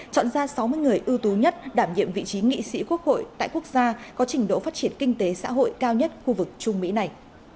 chọn ra sáu mươi người ưu tú nhất đảm nhiệm vị trí nghị sĩ quốc hội tại quốc gia có trình độ phát triển kinh tế xã hội cao nhất khu vực trung mỹ này